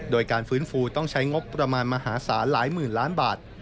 โดยการฟื้นฟูต้องใช้งบประมาณมหาศาลหลายหมื่นล้านบาท